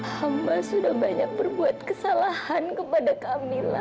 hamba sudah banyak berbuat kesalahan kepada kamila